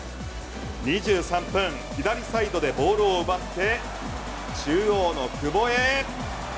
２３分左サイドでボールを奪って中央の久保へ。